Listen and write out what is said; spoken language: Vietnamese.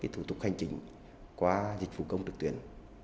thủ tục hành trình qua dịch vụ công tực tuyển